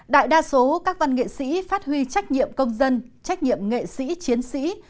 đại đa số các văn nghệ sĩ phát huy trách nhiệm công dân trách nhiệm nghệ sĩ chiến sĩ